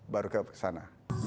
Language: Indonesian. baru ke sana